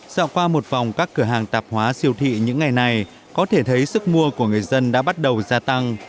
dạo qua một vòng các cửa hàng tạp hóa siêu thị những ngày này có thể thấy sức mua của người dân đã bắt đầu gia tăng